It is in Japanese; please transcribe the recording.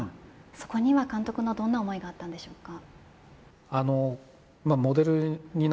そこには監督のどんな思いがあったんでしょうか。